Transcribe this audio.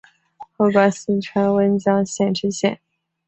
后官四川温江县知县。